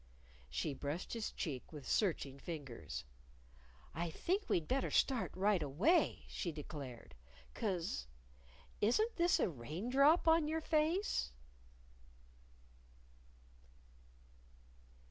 She brushed his cheek with searching fingers. "I think we'd better start right away," she declared. "'Cause isn't this a rain drop on your face?"